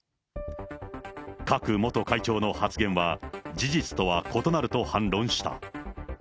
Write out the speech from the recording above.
クァク元会長の発言は、事実とは異なると反論した。